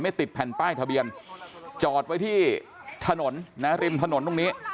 ติดแผ่นป้ายทะเบียนจอดไว้ที่ถนนนะริมถนนตรงนี้